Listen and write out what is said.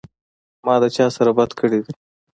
ما د چا سره څۀ بد کړي دي